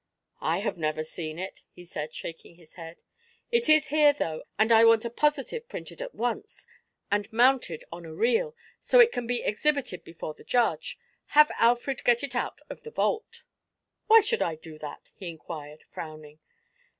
"I have never seen it," he said, shaking his head. "It is here, though, and I want a positive printed at once, and mounted on a reel, so it can be exhibited before the judge. Have Alfred get it out of the vault." "Why should I do that?" he inquired, frowning.